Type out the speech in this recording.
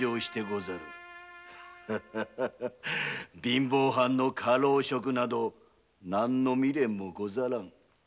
貧乏藩の家老職など何の未練もござらん。